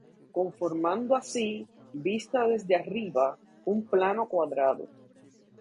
Conformando así, vista desde arriba, un plano cuadrado.